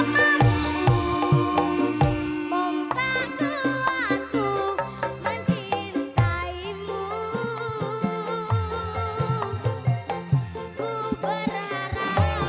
ketika di badingke sayang sayangnya ya masih kalah